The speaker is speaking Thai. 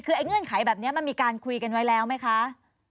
คือไอ้เงื่อนไขแบบนี้มันมีการคุยกันไว้แล้วไหมคะ